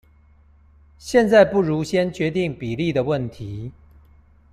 現在不如先決定比例的問題